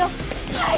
はい！